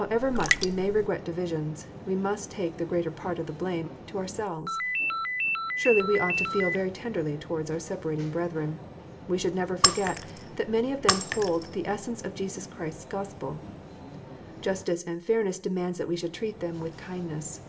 However much we may regret divisions, we must take the greater part of the blame to our selves. Surely we ought to feel very tenderly towards our separating brethren. We should never forget that many of them hold the essence of Jesus Christ s Gospel. Justice and fairness demand that we should treat them with kindness.